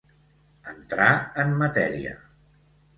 Entrar en matèria.